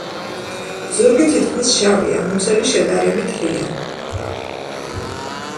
ზურგი თითქმის შავია, მუცელი შედარებით ღია.